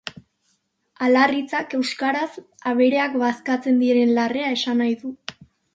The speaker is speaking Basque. Alar hitzak euskaraz abereak bazkatzen diren larrea esan nahi du.